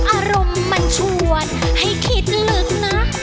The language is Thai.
อารมณ์มันชวนให้คิดลึกนะ